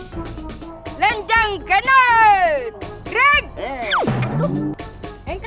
jin ada apa kan disini